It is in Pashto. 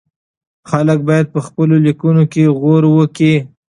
خلک بايد په خپلو ليکنو کې غور وکړي.